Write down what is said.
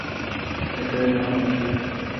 এটাই যে, সে টান অনুভব করত।